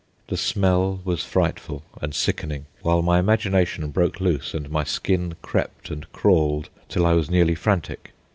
The smell was frightful and sickening, while my imagination broke loose, and my skin crept and crawled till I was nearly frantic.